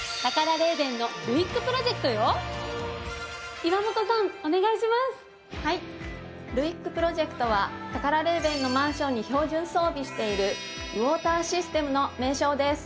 ルイックプロジェクトはタカラレーベンのマンションに標準装備しているウォーターシステムの名称です。